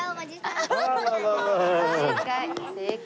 正解。